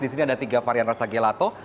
di sini ada tiga varian rasa gelato